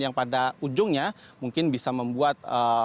yang pada ujungnya mungkin bisa membuat